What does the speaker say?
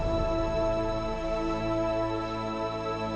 aku mau pulang